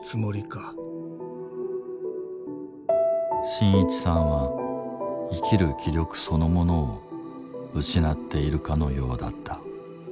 伸一さんは生きる気力そのものを失っているかのようだった。